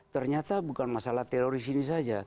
ternyata bukan masalah teroris ini saja